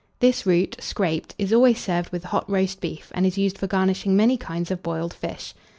This root, scraped, is always served with hot roast beef, and is used for garnishing many kinds of boiled fish.